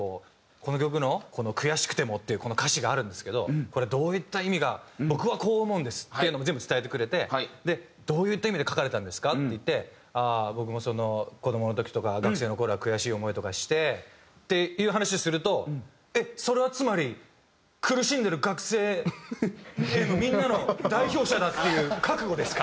「この曲の“悔しくても”っていうこの歌詞があるんですけどこれどういった意味が僕はこう思うんです」っていうのも全部伝えてくれて「どういった意味で書かれたんですか？」って言って「僕も子どもの時とか学生の頃は悔しい思いとかして」っていう話をすると「それはつまり苦しんでる学生みんなの代表者だっていう覚悟ですか？」